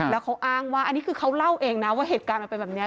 แล้วเขาอ้างว่าอันนี้คือเขาเล่าเองนะว่าเหตุการณ์มันเป็นแบบนี้